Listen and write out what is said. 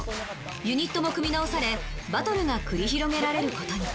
ユニットも組み直されバトルが繰り広げられる事に。